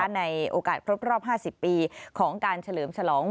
ในโอกาสครบรอบ๕๐ปีของการเฉลิมฉลอง